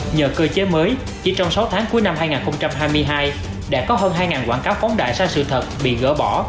nhờ cơ chế mới chỉ trong sáu tháng cuối năm hai nghìn hai mươi hai đã có hơn hai quảng cáo phóng đại sai sự thật bị gỡ bỏ